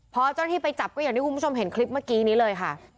พอเจ้าหน้าที่ไปจับก็อย่างที่คุณผู้ชมเห็นคลิปเมื่อกี้นี้เลยค่ะ